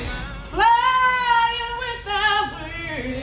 dapatkan tiket kalian